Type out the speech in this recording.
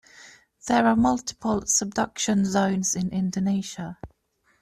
There are multiple subduction zones in Indonesia.